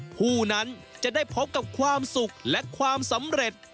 ผู้นั้นจะได้พบกับความสุขและความสำเร็จ